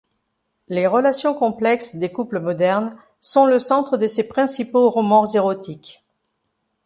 Les relations complexes des couples modernes sont le centre de ses principaux romans érotiques.